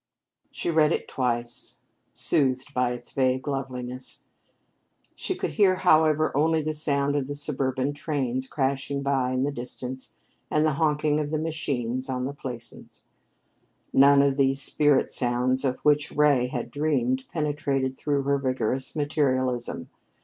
She read it twice, soothed by its vague loveliness. She could hear, however, only the sound of the suburban trains crashing by in the distance, and the honking of the machines in the Plaisance. None of those spirit sounds of which Ray had dreamed penetrated through her vigorous materialism.